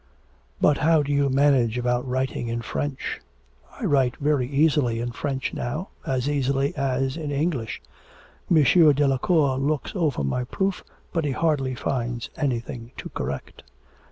'But how do you manage about writing in French?' 'I write very easily in French now, as easily as in English. M. Delacour looks over my proof, but he hardly finds anything to correct.'